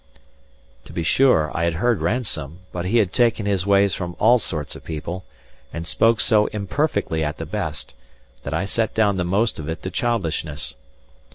To be sure, I had heard Ransome; but he had taken his ways from all sorts of people, and spoke so imperfectly at the best, that I set down the most of it to childishness.